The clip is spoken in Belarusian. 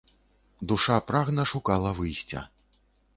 Душа прагна шукала выйсця.